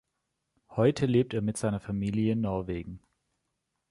Heute lebt er mit seiner Familie in Norwegen.